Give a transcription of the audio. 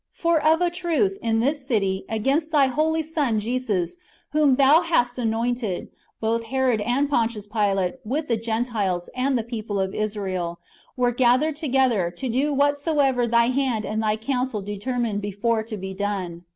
For of a truth, in this city,^ against Thy holy Son Jesus, whom Thou hast anointed, both Herod and Pontius Pilate, with the Gentiles, and the people of Israel, were gathered together, to do whatsoever Thy hand and Thy counsel determined before to be done."